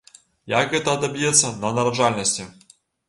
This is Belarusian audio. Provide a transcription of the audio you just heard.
Як гэта адаб'ецца на нараджальнасці?